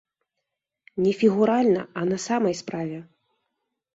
Не фігуральна, а на самай справе.